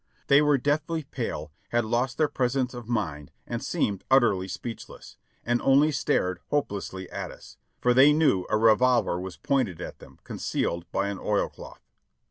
They were deathly pale, had lost their presence of mind and seemed utterly speechless, and only stared hopelessly at us, for they knew a revolver was pointed at them, concealed by an oilcloth.